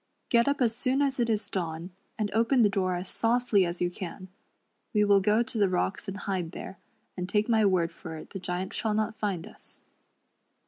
Get up as soon as it is dawn, and open the door as softly as you can. We will go to •the rocks and hide there, and take my word for it the Giant shall not find us."